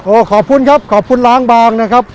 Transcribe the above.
ขอบคุณครับขอบคุณล้างบางนะครับ